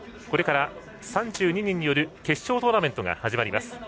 これから３２人による決勝トーナメントが始まります。